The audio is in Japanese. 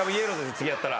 次やったら。